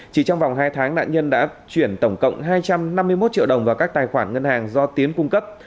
chỉ trong vòng hai tháng nạn nhân đã chuyển tổng cộng hai trăm năm mươi một triệu đồng vào các tài khoản ngân hàng do tiến cung cấp